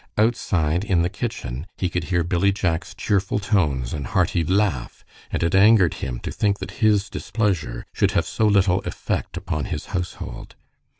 Outside in the kitchen, he could hear Billy Jack's cheerful tones and hearty laugh, and it angered him to think that his displeasure should have so little effect upon his household.